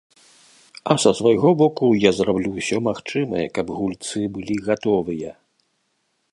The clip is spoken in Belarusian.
А са свайго боку я зраблю ўсё магчымае, каб гульцы былі гатовыя.